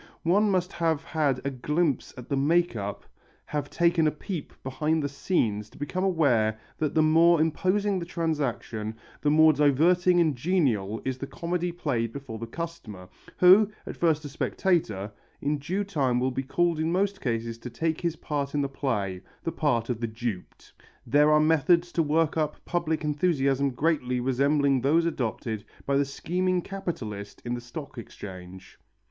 One must have had a glimpse at the make up, have taken a peep behind the scenes to become aware that the more imposing the transaction, the more diverting and genial is the comedy played before the customer, who, at first a spectator, in due time will be called in most cases to take his part in the play, the part of the duped. There are methods to work up public enthusiasm greatly resembling those adopted by the scheming capitalist in the Stock Exchange.